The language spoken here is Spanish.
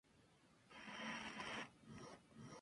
Argentina, Brasil y Uruguay.